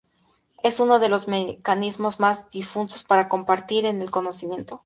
Es uno de los mecanismos más difusos para compartir el conocimiento.